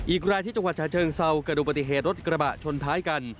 อีกรายที่จังหวัดชาเชิงเซาเกิดดูปฏิเหตุรถกระบะชนท้ายกัน